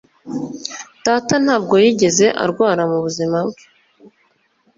data ntabwo yigeze arwara mubuzima bwe